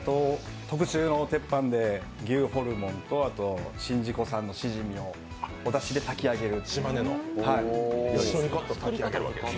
特注の鉄板で牛ホルモンと宍道湖産のしじみをおだしで炊き上げるという料理です。